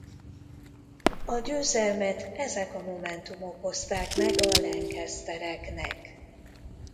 A győzelmet ezek a momentumok hozták meg a Lancastereknek.